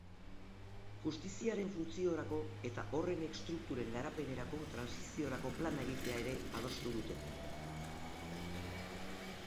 Justiziaren funtziorako eta horren estrukturen garapenerako trantsiziorako plana egitea ere adostu dute.